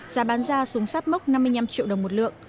giá bán ra xuống sát mốc năm mươi năm triệu đồng một lượng